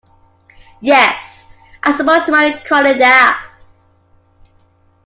Yes, I suppose you might call it that.